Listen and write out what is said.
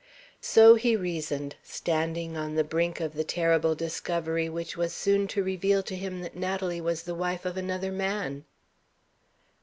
So he reasoned, standing on the brink of the terrible discovery which was soon to reveal to him that Natalie was the wife of another man.